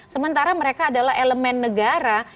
sementara mereka adalah elemen negara